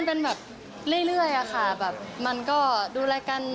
เป็นแบบเรื่อยอะค่ะแบบมันก็ดูแลกัน